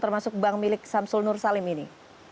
termasuk bank milik samsul nur salim ini